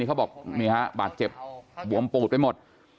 เขาบอกนี่ฮะบาดเจ็บบวมปูดไปหมด